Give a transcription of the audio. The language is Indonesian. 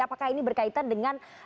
apakah ini berkaitan dengan